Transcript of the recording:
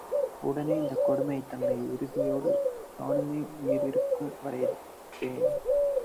உடனே இந்தக் கொடுமை தன்னை உறுதி யோடு நானுமே உயிர்இ ருக்கும் வரைஎ திர்ப்பேன்.